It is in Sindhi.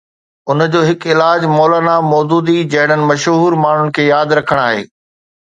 ان جو هڪ علاج مولانا مودودي جهڙن مشهور ماڻهن کي ياد رکڻ آهي.